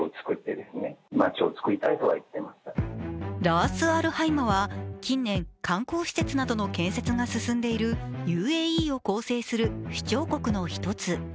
ラアス・アル・ハイマは近年、観光施設などの建設が進んでいるＵＡＥを構成する首長国の一つ。